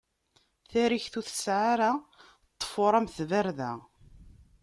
Tarikt ur tesɛa ara ṭṭfuṛ am tbarda.